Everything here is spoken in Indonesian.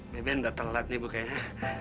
beben udah telat nih bu kayaknya